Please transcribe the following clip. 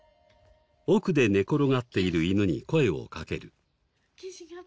奥で寝転がっている犬に声を掛ける。